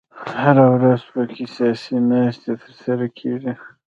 هره ورځ په کې سیاسي ناستې تر سره کېږي.